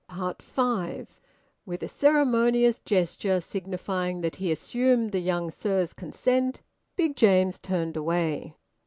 FIVE. With a ceremonious gesture signifying that he assumed the young sir's consent, Big James turned away.